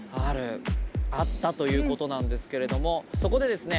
あったということなんですけれどもそこでですね